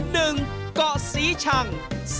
๑เกาะสีชัง